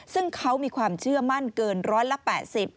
ซึ่งเขามีความเชื่อมั่นเกินร้อยละแปดสิบ